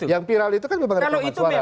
yang viral itu kan memang rekaman suara